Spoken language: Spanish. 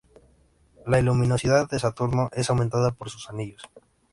La luminosidad de Saturno es aumentada por sus anillos.